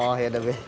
oh ya udah be